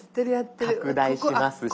拡大しますし。